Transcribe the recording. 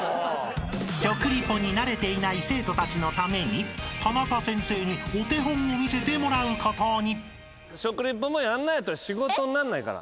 ［食リポに慣れていない生徒たちのためにタナカ先生にお手本を見せてもらうことに］